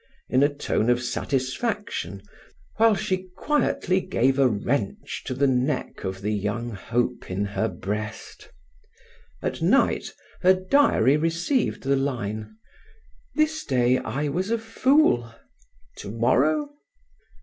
in a tone of satisfaction, while she quietly gave a wrench to the neck of the young hope in her breast. At night her diary received the line: "This day I was a fool. To morrow?"